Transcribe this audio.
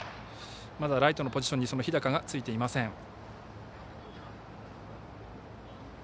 まだライトのポジションに日高がついていません。